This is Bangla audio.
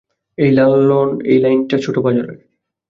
এই লাইনটা ছোট পাঁজরের।